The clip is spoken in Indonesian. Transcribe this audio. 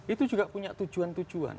itu juga punya tujuan tujuan